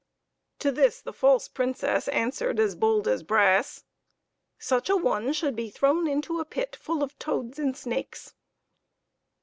To this the false Princess answered, as bold as brass, " Such a one should be thrown into a pit full of toads and snakes."